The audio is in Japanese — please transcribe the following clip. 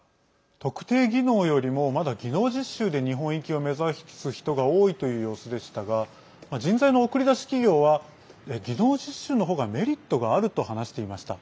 特定技能よりも、まだ技能実習で日本行きを目指す人が多いという様子でしたが人材の送り出し企業は技能実習のほうがメリットがあると話していました。